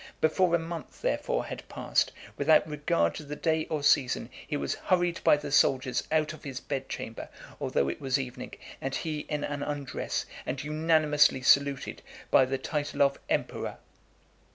Before a month, therefore, had passed, without regard to the day or season, he was hurried by the soldiers out of his bed chamber, although it was evening, and he in an undress, and unanimously saluted by the title of EMPEROR .